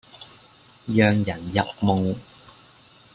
讓人入夢